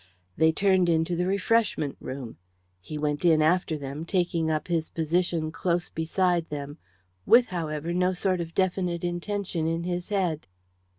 They turned into the refreshment room. He went in after them, taking up his position close beside them, with, however, no sort of definite intention in his head.